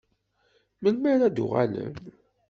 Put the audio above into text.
Melmi ara d-tuɣalem?